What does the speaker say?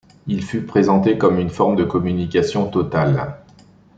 Il fut présenté comme une forme de communication totale.